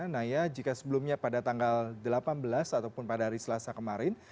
naya jika sebelumnya pada tanggal delapan belas ataupun pada hari selasa kemarin